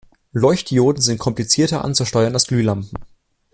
Leuchtdioden sind komplizierter anzusteuern als Glühlampen.